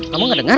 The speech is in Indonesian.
kamu gak denger